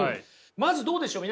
まずどうでしょう？